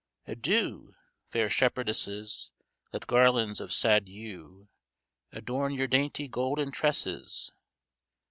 Adieu! Fair shepherdesses! Let garlands of sad yew Adorn your dainty golden tresses.